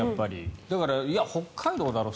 だから、北海道だろう